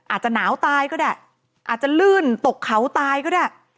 อาจจะหนาวตายก็ได้อาจจะลื่นตกเขาตายก็ได้